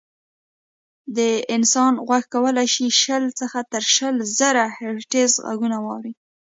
د انسان غوږ کولی شي شل څخه تر شل زره هیرټز غږونه واوري.